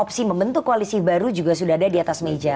opsi membentuk koalisi baru juga sudah ada di atas meja